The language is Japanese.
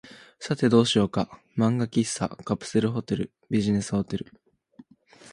さて、どうしようか。漫画喫茶、カプセルホテル、ビジネスホテル、